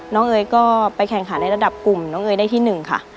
เอ๋ยก็ไปแข่งขันในระดับกลุ่มน้องเอ๋ยได้ที่๑ค่ะ